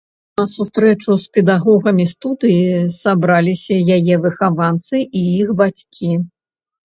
На сустрэчу з педагогамі студыі сабраліся яе выхаванцы і іх бацькі.